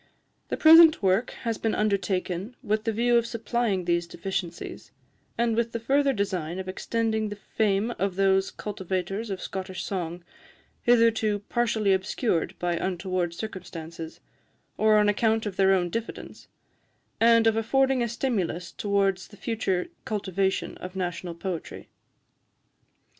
The present work has been undertaken with the view of supplying these deficiencies, and with the further design of extending the fame of those cultivators of Scottish song hitherto partially obscured by untoward circumstances, or on account of their own diffidence and of affording a stimulus towards the future cultivation of national poetry.